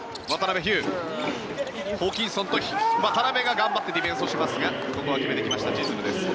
ホーキンソンと渡邉が頑張ってディフェンスをしますがここは決めてきましたチズムです。